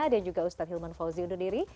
dan juga ustadz hilman fauzi undur diri